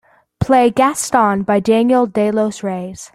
Play Gaston by Daniel De Los Reyes.